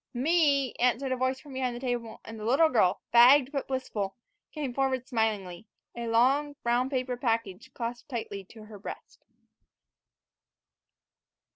"Me," answered a voice from behind the table, and the little girl, fagged but blissful, came forward smilingly, a long, brown paper package clasped tightly to her breast.